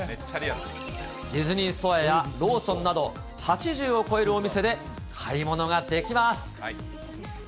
ディズニーストアやローソンなど、８０を超えるお店で買い物ができます。